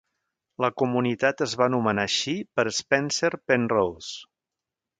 La comunitat es va anomenar així per Spencer Penrose.